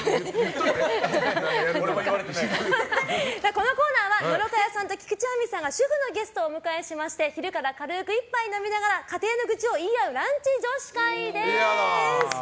このコーナーは野呂佳代さんと菊地亜美さんが主婦ゲストをお迎えしまして昼から軽く一杯飲みながら家庭の愚痴を言い合うランチ女子会です。